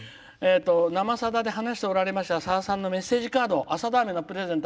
「生さだで話しておられましたさださんのメッセージカード「あ、さだ飴」のプレゼント